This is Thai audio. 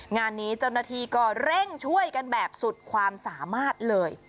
งานนี้เจ้าหน้าที่ก็เร่งช่วยกันแบบสุดความสามารถเลย